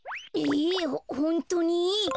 えほんとうに？